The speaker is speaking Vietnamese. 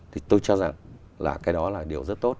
thì tôi cho rằng là cái đó là điều rất tốt